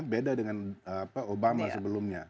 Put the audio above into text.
beda dengan obama sebelumnya